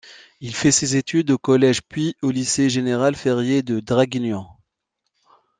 Il fait ses études au collège puis au lycée Général Ferrié de Draguignan.